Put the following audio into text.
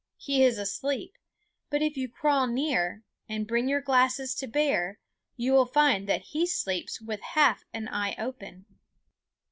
He is asleep; but if you crawl near and bring your glasses to bear, you will find that he sleeps with half an eye open.